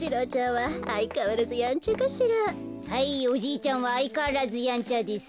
はいおじいちゃんはあいかわらずやんちゃです。